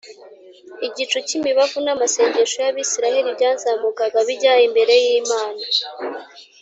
Igicu cy’imibavu n’amasengesho y’Abisiraheli byazamukaga bijya imbere y’Imana